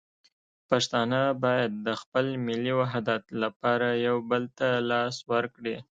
پښتانه باید د خپل ملي وحدت لپاره یو بل ته لاس ورکړي.